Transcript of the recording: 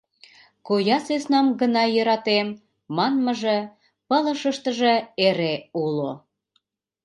«Коя сӧснам гына йӧратем» манмыже пылышыштыже эре уло.